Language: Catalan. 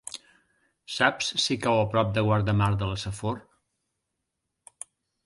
Saps si cau a prop de Guardamar de la Safor?